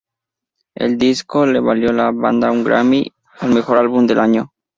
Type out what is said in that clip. El disco le valió a la banda un Grammy al Mejor Álbum del Año.